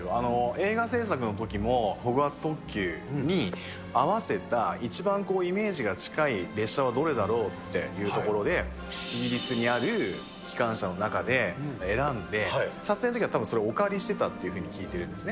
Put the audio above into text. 映画製作のときもホグワーツ特急に合わせた、一番イメージが近い列車はどれだろうっていうところで、イギリスにある機関車の中で、選んで、撮影のときはたぶんそれ、お借りしてたっていうふうに聞いてるんですね。